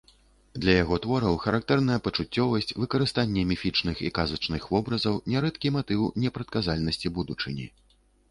Для яго твораў характэрная пачуццёвасць, выкарыстанне міфічных і казачных вобразаў, нярэдкі матыў непрадказальнасці будучыні.